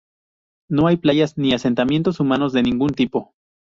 No hay playas ni asentamientos humanos de ningún tipo.